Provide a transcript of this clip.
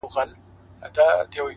زړه مي له رباب سره ياري کوي.